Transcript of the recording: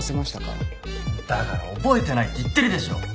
だから覚えてないって言ってるでしょ。